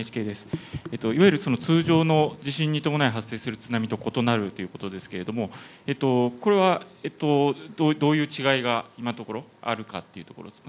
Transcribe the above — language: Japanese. ＮＨＫです、通常の地震に伴い発生する津波と異なるということですけれども、これはどういう違いが今のところあるのかというところ